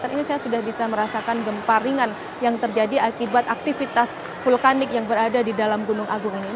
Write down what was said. ini saya sudah bisa merasakan gempa ringan yang terjadi akibat aktivitas vulkanik yang berada di dalam gunung agung ini